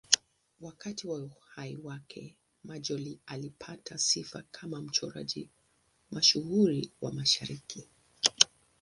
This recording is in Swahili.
Wakati wa uhai wake, Majolle alipata sifa kama mchoraji mashuhuri wa Mashariki.